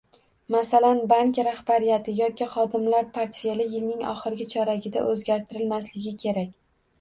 Masalan, bank rahbariyati yoki xodimlar portfeli yilning oxirgi choragida o'zgartirilmasligi kerak